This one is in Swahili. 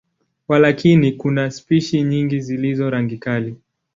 Walakini, kuna spishi nyingi zilizo rangi kali.